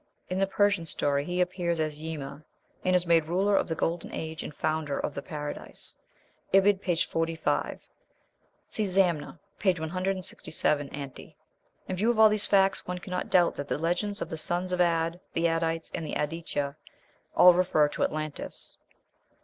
In the Persian story he appears as Yima, and "is made ruler of the golden age and founder of the Paradise." (Ibid., p. 45.) (See "Zamna," p. 167 ante.) In view of all these facts, one cannot doubt that the legends of the "sons of Ad," "the Adites," and "the Aditya," all refer to Atlantis.